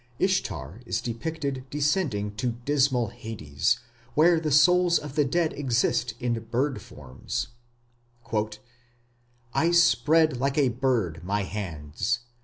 Ishtar is depicted descending to dismal Hades, where the souls of the dead exist in bird forms: I spread like a bird my hands.